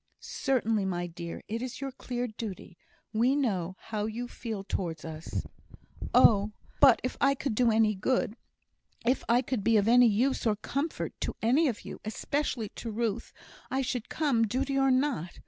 "Certainly, my dear. It is your clear duty. We know how you feel towards us." "Oh! but if I could do any good if I could be of any use or comfort to any of you especially to Ruth, I should come, duty or not.